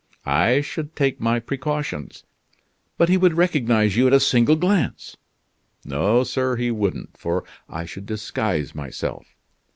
"I should take my precautions." "But he would recognize you at a single glance." "No, sir, he wouldn't, for I should disguise myself.